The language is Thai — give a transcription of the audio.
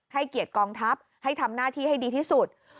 เกียรติกองทัพให้ทำหน้าที่ให้ดีที่สุด